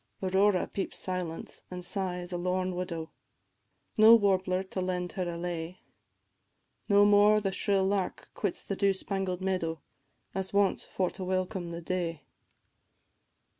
Aurora peeps silent, and sighs a lorn widow, No warbler to lend her a lay, No more the shrill lark quits the dew spangled meadow, As wont for to welcome the day.